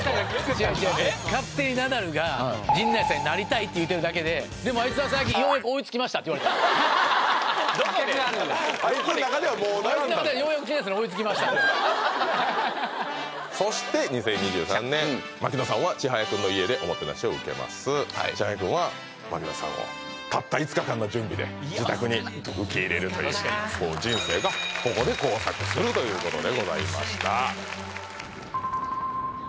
違う違う勝手にナダルが陣内さんになりたいって言うてるだけででもあいつは最近ようやく追いつきましたってあいつん中ではもうあいつん中ではようやく陣内さんに追いつきましたってそして２０２３年槙野さんはちはやくんは槙野さんをたった５日間の準備で自宅に受け入れるという人生がここで交錯するということでございました